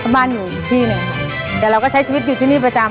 บ้านอยู่อีกที่หนึ่งแต่เราก็ใช้ชีวิตอยู่ที่นี่ประจำ